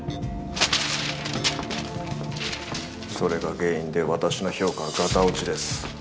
それが原因で私の評価はガタ落ちです。